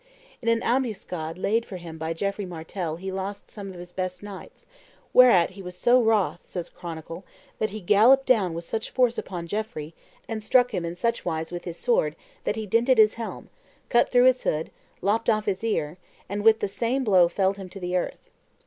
In an ambuscade laid for him by Geoffrey Martel he lost some of his best knights, "whereat he was so wroth," says a chronicle, "that he galloped down with such force upon Geoffrey, and struck him in such wise with his sword that he dinted his helm, cut through his hood, lopped off his car, and with the same blow felled him to earth.